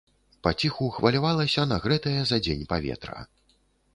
Паціху хвалявалася нагрэтае за дзень паветра.